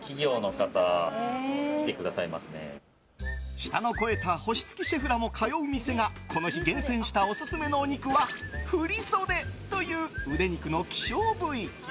舌の肥えた星付きシェフらも通う店がこの日厳選したオススメのお肉はフリソデというウデ肉の希少部位。